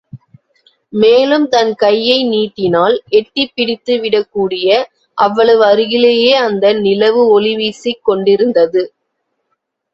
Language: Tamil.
மேலும் தன் கையை நீட்டினால் எட்டிப் பிடித்து விடக்கூடிய அவ்வளவு அருகிலேயே அந்த நிலவு ஒளிவீசிக் கொண்டிருந்தது.